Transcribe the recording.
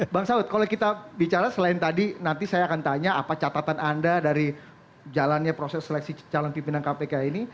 bang saud kalau kita bicara selain tadi nanti saya akan tanya apa catatan anda dari jalannya proses seleksi calon pimpinan kpk ini